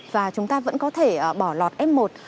và chúng ta vẫn có thể bỏ lọt f một